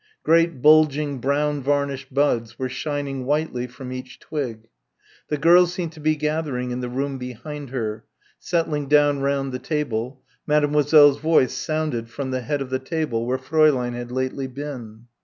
Great bulging brown varnished buds were shining whitely from each twig. The girls seemed to be gathering in the room behind her settling down round the table Mademoiselle's voice sounded from the head of the table where Fräulein had lately been.